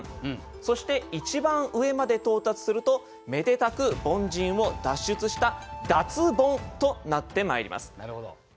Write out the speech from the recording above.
そして一番上まで到達するとめでたく凡人を脱出した脱ボンとなってまいります。